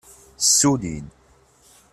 Ssullin.